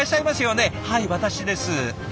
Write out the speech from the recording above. はい私です。